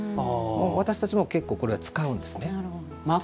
私たちも結構これは使うんですね。